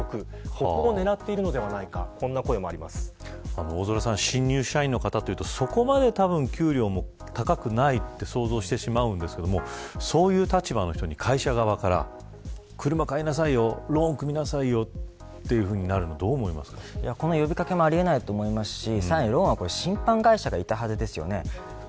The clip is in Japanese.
ここを狙っているのではないか大空さん、新入社員の方はそこまで給料も高くないと想像してしまいますがそういう立場の人に、会社側から車買いなさいよローン組みなさいよというふうになるのはこの呼び掛けもあり得ないと思いますし、ローンは信販会社がいたはずですよね。